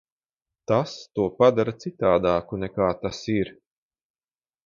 Tas to padara citādāku, nekā tas ir?